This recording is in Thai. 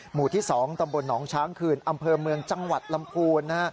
หมู่ที่๒ตำบลหนองช้างคืนอำเภอเมืองจังหวัดลำพูน